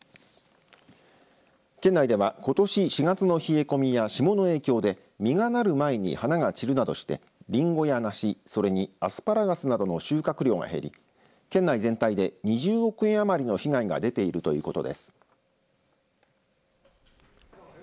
県内ではことし４月の冷え込みや霜の影響で実が成る前に花が散るなどしてリンゴや梨それにアスパラガスなどの収穫量が減り県内全体で２０億円余りの被害が出ているということです。